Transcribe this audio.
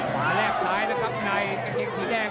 แลกซ้ายนะครับในกางเกงสีแดง